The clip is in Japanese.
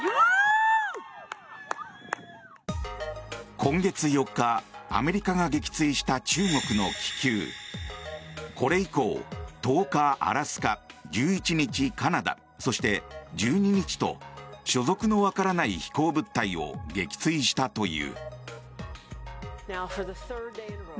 今月４日、アメリカが撃墜した中国の気球。これ以降、１０日、アラスカ１１日、カナダそして、１２日と所属のわからない飛行物体を撃墜したという。